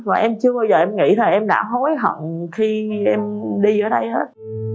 và em chưa bao giờ em nghĩ là em đã hối hận khi em đi ở đây hết